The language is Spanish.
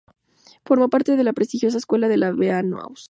Formó parte de la prestigiosa escuela de la Bauhaus.